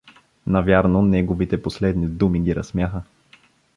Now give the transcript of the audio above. Навярно неговите последни думи ги разсмяха.